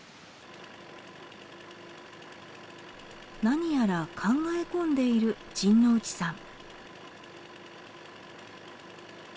何やら考え込んでいる陣内さん。